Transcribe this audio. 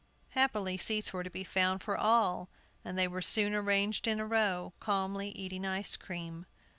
Happily, seats were to be found for all, and they were soon arranged in a row, calmly eating ice cream.